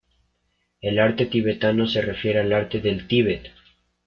El arte tibetano se refiere al arte del Tíbet.